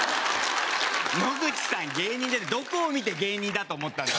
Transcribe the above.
野口さん芸人じゃないどこを見て芸人だと思ったんだ。